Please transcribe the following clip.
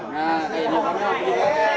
nah enoknya gitu ya